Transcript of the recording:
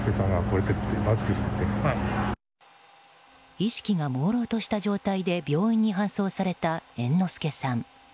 意識がもうろうとした状態で病院に搬送された猿之助さん。